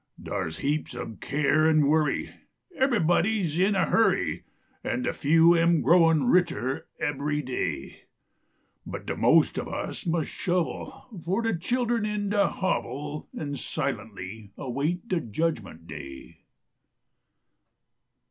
Dar s heaps ob care an worry ; Kbbery body s in a hurry, An de few am growin richer ebbery day ; But de most of us must shovel For de children in de hovel An silentby await de judgment day.